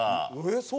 そう？